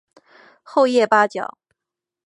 厚叶八角